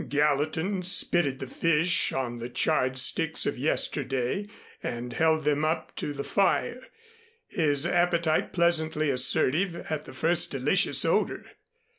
Gallatin spitted the fish on the charred sticks of yesterday and held them up to the fire, his appetite pleasantly assertive at the first delicious odor.